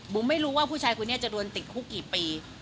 ผมไม่รู้ว่าผู้ชายคนนี้จะโดนติดคุกกี่ปี